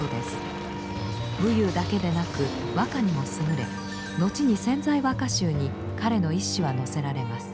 武勇だけでなく和歌にも優れ後に「千載和歌集」に彼の一首は載せられます。